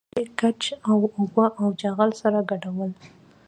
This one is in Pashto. دوی ګچ او اوبه او چغل سره ګډول.